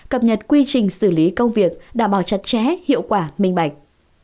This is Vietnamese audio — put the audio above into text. cập nhật quy trình xử lý công việc đảm bảo chặt chẽ hiệu quả minh bạch